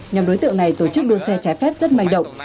nhóm đối tượng này tổ chức đua xe trái phép rất manh động